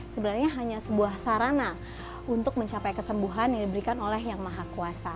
sebenarnya hanya sebuah sarana untuk mencapai kesembuhan yang diberikan oleh yang maha kuasa